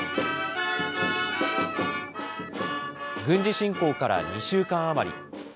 軍事侵攻から２週間余り。